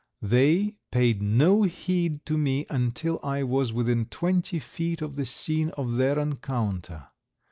They paid no heed to me until I was within twenty feet of the scene of their encounter.